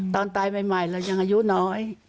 ตอนตายใหม่เรายังอายุน้อย